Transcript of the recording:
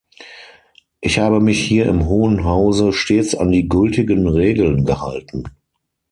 Ich habe mich hier im Hohen Hause stets an die gültigen Regeln gehalten.